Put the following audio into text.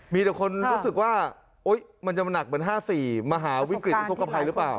มีแต่คนรู้สึกว่ามันจะมาหนักเหมือน๕๔มหาวิกฤตอุทธกภัยหรือเปล่า